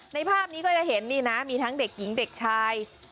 ในภาพนี้ก็จะเห็นนี่นะมีทั้งเด็กหญิงเด็กชาย